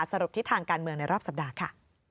ทิศทางการเมืองในรอบสัปดาห์ค่ะ